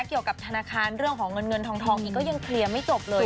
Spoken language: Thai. เกี่ยวกับธนาคารเรื่องของเงินเงินทองอีกก็ยังเคลียร์ไม่จบเลย